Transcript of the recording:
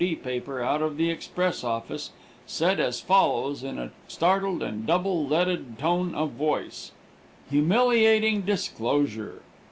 D. paper out of the express office, said as follows in a startled and double leaded tone of voice: "HUMILIATING DISCLOSURE.